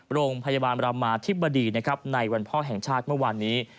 โรงพยาบาลรามาธิบดีนะครับในวันพ่อแห่งชาติเมื่อวานนี้